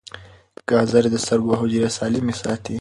ګازرې د سترګو حجرې سالمې ساتي.